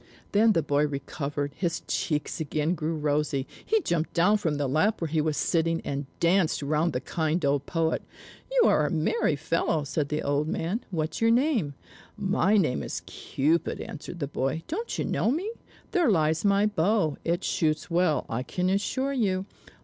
Then the boy recovered, his cheeks again grew rosy, he jumped down from the lap where he was sitting, and danced round the kind old poet. "You are a merry fellow," said the old man. "What's your name?" "My name is Cupid," answered the boy. "Don't you know me? There lies my bow; it shoots well, I can assure you!